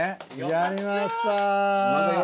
やりました。